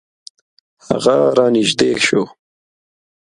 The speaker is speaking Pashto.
هغه را نژدې شو .